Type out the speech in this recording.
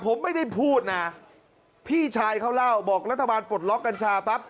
ผมไม่ได้พูดนะพี่ชายเขาเล่าบอกรัฐบาลปลดล็อกกัญชาปั๊บ